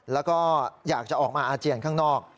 แล้วก็อยากจะออกมาอาเจียนข้างนอก